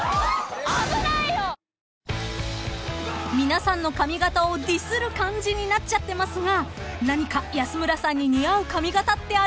［皆さんの髪形をディスる感じになっちゃってますが何か安村さんに似合う髪形ってありますか？］